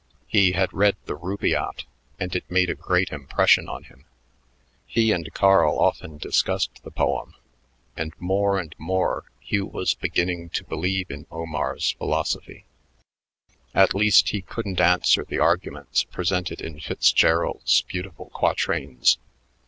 He had read the "Rubaiyat," and it made a great impression on him. He and Carl often discussed the poem, and more and more Hugh was beginning to believe in Omar's philosophy. At least, he couldn't answer the arguments presented in Fitzgerald's beautiful quatrains.